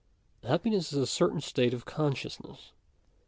Happiness is a certain state of consciousness.